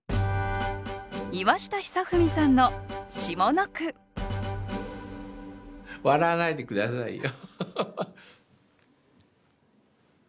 岩下尚史さんの下の句笑わないで下さいよ。